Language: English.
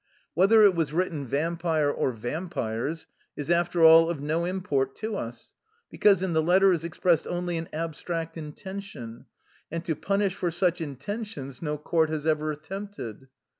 Whether it was written ' vam pire ' or ' vampires ' is, after all, of no import to us, because in the letter is expressed only an abstract intention, and to punish for such in tentions no court has ever attempted.